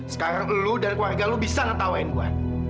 sekarang lo dan keluarga lo bisa ngetawain gue